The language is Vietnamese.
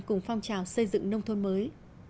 cùng phong trào xây dựng nông thôn mới